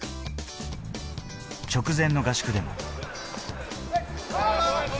直前の合宿でも。